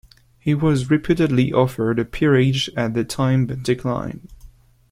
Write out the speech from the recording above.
He was reputedly offered a peerage at the time but declined.